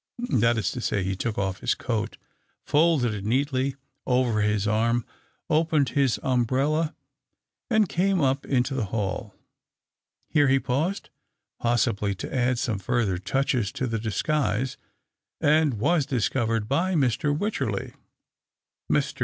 That is to say, he took off his coat, folded it neatly over his arm, opened his umbrella, and came up into the hall. Here he paused, possibly to add some further touches to the disguise, and was discovered by Mr. Wycherley. Mr.